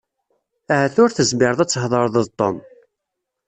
Ahat ur tezmireḍ ad thedreḍ d Tom.